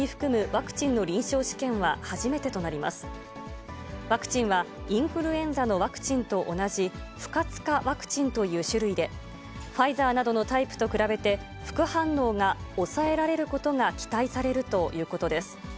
ワクチンは、インフルエンザのワクチンと同じ、不活化ワクチンという種類で、ファイザーなどのタイプと比べて、副反応が抑えられることが期待されるということです。